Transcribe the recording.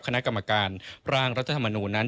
คณะกรรมการร่างรัฐธรรมนูญนั้น